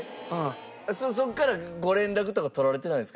そこからご連絡とか取られてないんですか？